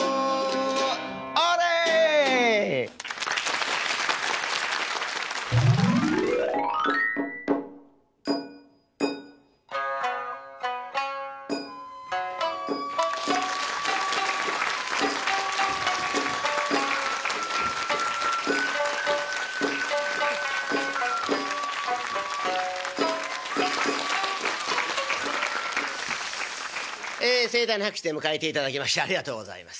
オーレ！え盛大な拍手で迎えていただきましてありがとうございます。